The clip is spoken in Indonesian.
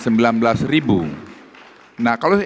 nah kalau ekonomi indonesia itu